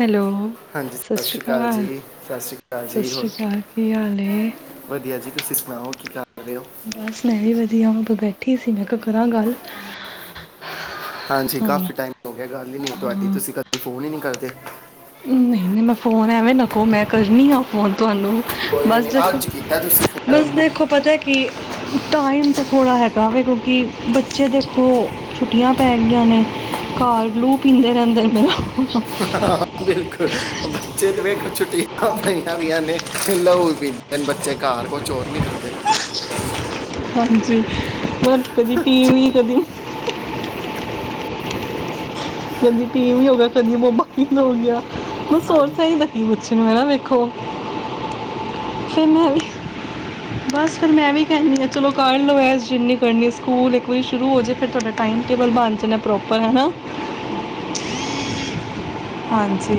hello ਹਾਂਜੀ ਸਤਿ ਸ਼੍ਰੀ ਜੀ ਅਕਾਲ ਸਤਿ ਸ਼੍ਰੀ ਅਕਾਲ ਜੀ ਸਿ ਹੋਰ ਸ਼੍ਰੀ ਅਕਾਲ ਕੀ ਹਾਲ [inaudible] ਬਸ ਮੈਂ ਵੀ ਵਧੀਆ ਵਾਂ ਬੈਠੀ ਸੀ ਮੈਂ ਕਿਹਾ ਕਰਾਂ ਗੱਲ ਹਾਂਜੀ ਹਾਂ ਕਾਫੀ ਟਾਈਮ ਹੋ ਗਿਆ ਗੱਲ ਹੀ ਨਹੀਂ ਤੁਹਾਡੀ ਹਾਂ ਤੁਸੀਂ ਕਦੇ ਫੋਨ ਹੀ ਨਹੀਂ ਕਰਦੇ ਨਹੀਂ ਨਹੀਂ ਮੈਂ ਫੋਨ ਐਵੇਂ ਨਾ ਕੋੋ ਮੈਂ ਕਰਨੀ ਆ ਫੋਨ ਤੁਹਾਨੂੰ ਕੋਈ ਵੀ ਬਸ ਨਹੀਂ ਦੇਖੋ ਅੱਜ ਕੀਤਾ ਤੁਸੀਂ ਬਸ ਫੋਨ ਦੇਖੋ ਪਤਾ ਕਿ ਟਾਈਮ ਤਾਂ ਥੋੜ੍ਹਾ ਹੈਗਾ ਵੀ ਕਿਉਂਕਿ ਬੱਚੇ ਦੇਖੋ ਛੁੱਟੀਆਂ ਪੈ ਗਈਆਂ ਨੇ ਕਾਰ ਗਲੂ ਪੀਂਦੇ ਨੇ ਅੰਦਰ ਮੇਰਾ ਫੋਨ ਹਾਂ ਬਿਲਕੁਲ ਬੱਚੇ ਤੇ ਵੇਖੋ ਛੁੱਟੀਆਂ ਪਈਆਂ ਵੀਆਂ ਨੇ ਲਹੂ ਪੀਂਦੇ ਬੱਚੇ ਘਰ ਕੁਛਰ ਨੀ ਕਰਦੇ ਹਾਂਜੀ ਮਤਲਬ ਕਦੀ ਟੀਵੀ ਕਦੀ ਕਹਿੰਦੀ ਪੀ ਵੀ ਹੋ ਗਿਆ ਕਹਿੰਦੀ ਬਬਾੀ ਹੋ ਗਿਆ ਹ ਹਾਂਜੀ ਸੋਰਸ ਹੀਦਾ ਕੀ ਕੁੱਛ ਨੂੰ ਹੈ ਨਾ ਵੇਖੋ ਫਿਰ ਮੈਂ ਵੀ ਬਸ ਫਿਰ ਮੈਂ ਵੀ ਕਹਿੰਦੀ ਹਾਂ ਚਲੋ ਕਰ ਲਓ ਜਿੰਨੀ ਕਰਨੀ ਸਕੂਲ ਇੱਕ ਵਾਰੀ ਸ਼ੁਰੂ ਹੋ ਜਾ ਫਿਰ ਤੁਹਾਡਾ ਟਾਈਮ ਟਬਲ ਬਣ ਜਾਣਾ ਪ੍ਰੋਪਰ ਹੈਾ ਹਾਂਜੀ